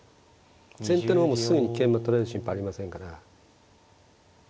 先手の方もすぐに桂馬取られる心配ありませんから。